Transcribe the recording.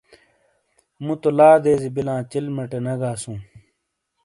مُو تو لا دیزی بلاں چلیمٹے نے گاسوں۔